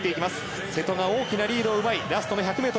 瀬戸が大きなリードを奪いラストの１００ｍ。